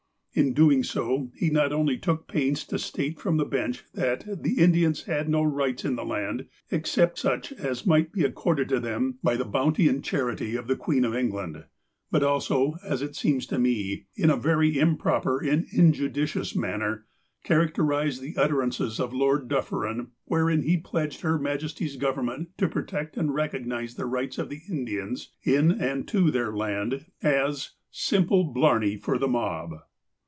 In doing so, he not only took pains to state from the bench that "the Indians had no rights in the land except such as might be accorded to them by the bounty and charity 284 THE APOSTLE OF ALASKA of the Queen of England," but also, as it seems to me, in a very improper and injudicious manner, characterized the utterances of Lord Duffer in, wherein he pledged Her Majesty's Government to protect and recognize the rights of the Indians in and to their land, as '' simply blarney for the mob."